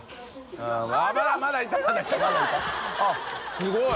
△すごい！